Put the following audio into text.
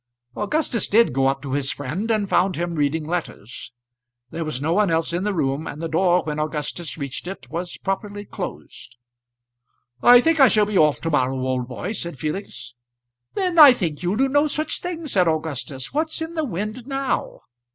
Augustus did go up to his friend and found him reading letters. There was no one else in the room, and the door when Augustus reached it was properly closed. "I think I shall be off to morrow, old boy," said Felix. "Then I think you'll do no such thing," said Augustus. "What's in the wind now?"